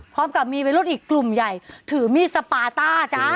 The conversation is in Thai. พร้อมกับมีวัยรุ่นอีกกลุ่มใหญ่ถือมีดสปาต้าจ๊ะ